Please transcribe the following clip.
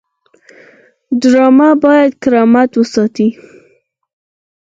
ډرامه باید کرامت وساتي